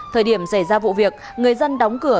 thời điểm xảy ra vụ việc người dân đóng cửa